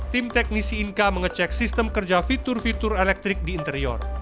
tim teknisi inka mengecek sistem kerja fitur fitur elektrik di interior